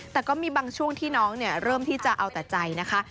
แต่ก็มีบางช่วงที่น้องเริ่มที่จะเอาแต่ใจนะคะ